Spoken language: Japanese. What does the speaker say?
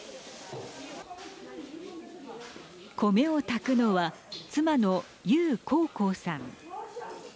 米を炊くのは妻の熊庚香さん。